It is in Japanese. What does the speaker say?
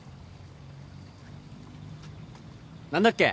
何だっけ？